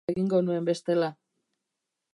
Nahiago izan nuen barre egin, oka egingo nuen bestela.